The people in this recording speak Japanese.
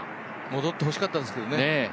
戻ってほしかったですけどね。